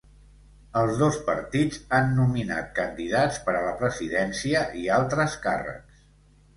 Els dos partits han nominat candidats per a la presidència i altres càrrecs.